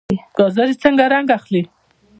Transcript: ګازرې څنګه رنګ اخلي؟